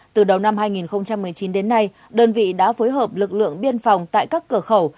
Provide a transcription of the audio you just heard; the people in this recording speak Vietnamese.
từ đầu năm hai nghìn một mươi chín đến nay đơn vị đã phối hợp lực lượng biên phòng tại các cửa khẩu